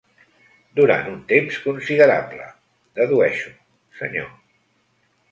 Durant un temps considerable, dedueixo, senyor.